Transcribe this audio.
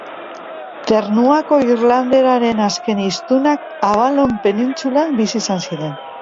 Ternuako irlanderaren azken hiztunak Avalon penintsulan bizi izan ziren.